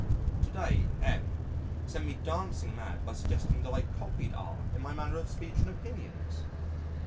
To day, M sent me dancing mad by suggesting that I copied R in my manner of speech and opinions.